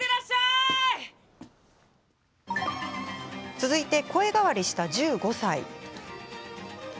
次は、声変わりした１５歳。